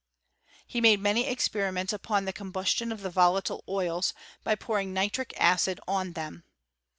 He made many experiments upon the combustion of the volatile oils, by pouring nitric acid on them.